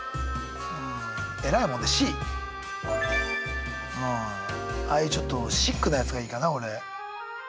えらいもんでああいうちょっとシックなやつがいいかなオレ。